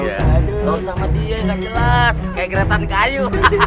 sama dia gak jelas kayak geretan kayu